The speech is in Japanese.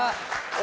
あ！